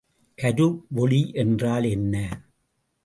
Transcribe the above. கருவொளி என்றால் என்ன?